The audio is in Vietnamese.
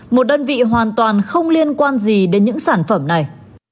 một đơn vị hoàn toàn không liên quan gì đến những sản phẩm này